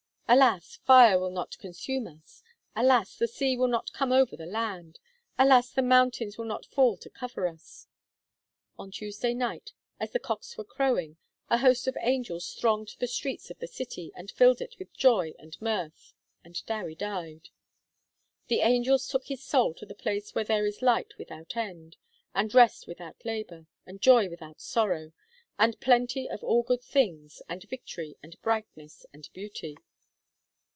Alas! fire will not consume us! Alas! the sea will not come over the land! Alas! the mountains will not fall to cover us!' On Tuesday night, as the cocks were crowing, a host of angels thronged the streets of the city, and filled it with joy and mirth; and Dewi died. 'The angels took his soul to the place where there is light without end, and rest without labour, and joy without sorrow, and plenty of all good things, and victory, and brightness, and beauty.'